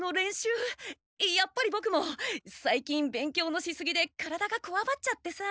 やっぱりボクもさいきん勉強のしすぎで体がこわばっちゃってさ。